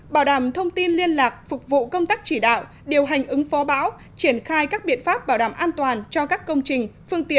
bảy bộ thông tin truyền thông